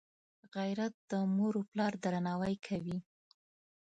غیرت د موروپلار درناوی کوي